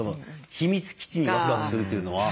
秘密基地にワクワクするというのは。